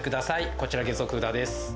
こちら、下足札です。